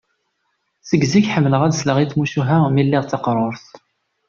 Seg zik ḥemmleɣ ad sleɣ i tmucuha mi lliɣ d taqrurt.